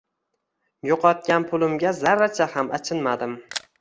Yo’qotgan pulimga zarracha ham achinmadim.